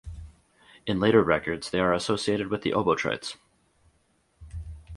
In later records they are associated with the Obotrites.